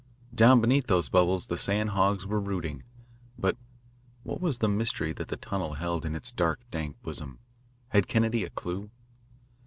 Down beneath those bubbles the sand hogs were rooting. But what was the mystery that the tunnel held in its dark, dank bosom? Had Kennedy a clue?